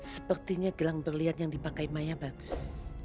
sepertinya gelang berlian yang dipakai maya bagus